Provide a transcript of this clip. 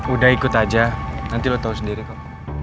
udah ikut aja nanti lo tau sendiri kok